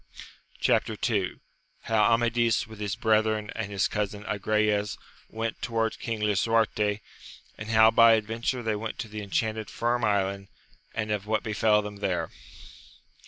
Chap. II. — How Am ad is with bis brethren and his cousin Agrayes went towards King Lisuarte, and how by adventure they went to tlie enchanted Firm Island, and of what befel tliem there.